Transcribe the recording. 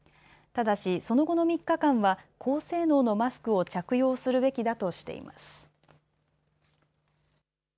ただし、その後の３日間は、高性能のマスクを着用するべきだとしています。